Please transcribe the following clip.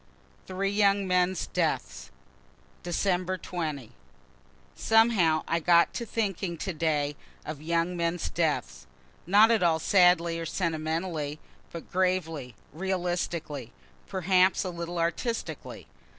THREE YOUNG MEN'S DEATHS December 20. Somehow I got thinking to day of young men's deaths not at all sadly or sentimentally, but gravely, realistically, perhaps a little artistically.